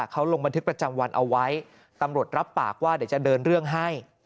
เขาลงบันทึกประจำวันเอาไว้ตำรวจรับปากว่าเดี๋ยวจะเดินเรื่องให้